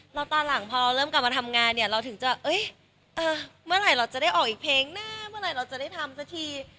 แล้วตอนหลังพอเราเริ่มกลับมาทำงานเนี่ยเราถึงจะเมื่อไหร่เราจะได้ออกอีกเพลงนะเมื่อไหร่เราจะได้ทำสักที